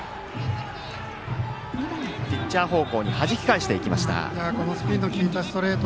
ピッチャー方向にはじき返していきました。